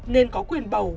nên có quyền bầu